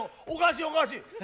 おかしいおかしい。